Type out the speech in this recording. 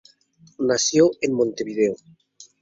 Nació en Montevideo.